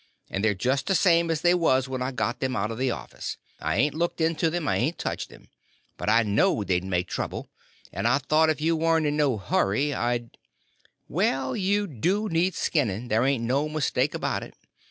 And they're just the same as they was when I got them out of the office. I hain't looked into them, I hain't touched them. But I knowed they'd make trouble, and I thought if you warn't in no hurry, I'd—" "Well, you do need skinning, there ain't no mistake about it.